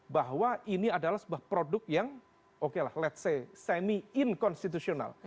bahwa ini adalah sebuah produk yang okelah let's say semi inconstitutional